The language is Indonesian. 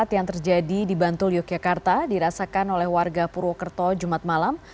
yang terjadi di bantul yogyakarta dirasakan oleh warga purwokerto jumat malam